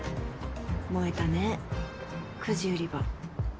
燃えたねくじ売り場。